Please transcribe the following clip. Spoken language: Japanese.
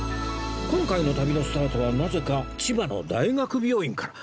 今回の旅のスタートはなぜか千葉の大学病院から